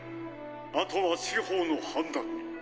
あとは司法の判断に」。